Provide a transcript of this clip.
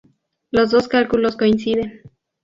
Los dos cálculos coinciden.